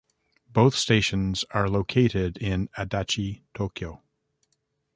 Both stations are located in Adachi, Tokyo.